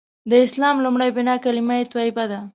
د اسلام لومړۍ بناء کلیمه طیبه ده.